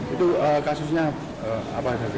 itu kasusnya apa